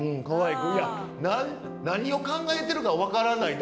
うん何を考えてるか分からない。